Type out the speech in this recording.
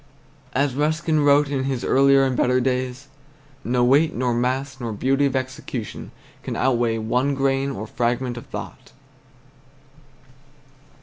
As Ruskin wrote in his earlier and better days, "No weight nor mass nor beauty of execution can outweigh one grain or fragment of thought."